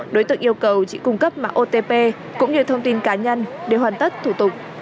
đối tượng yêu cầu chị cung cấp mạng otp cũng như thông tin cá nhân để hoàn tất thủ tục